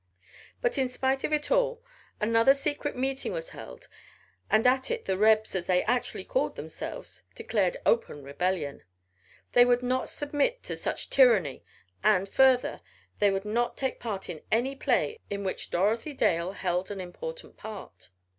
But in spite of it all another secret meeting was held and at it the "Rebs," as they actually called themselves, declared open rebellion. They would not submit to such tyranny, and, further, they would not take part in any play in which Dorothy Dale held an important part.